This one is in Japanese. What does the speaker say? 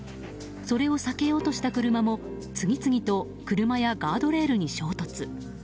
それを避けようとした車も次々と車やガードレールに衝突。